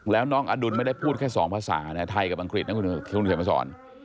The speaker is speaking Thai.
แล้วน้องอดุลไม่ได้พูดแค่สองภาษานะไทยกับอังกฤษนะคุณเขียนมาสอน